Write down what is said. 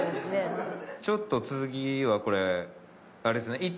ちょっと次はこれあれですね。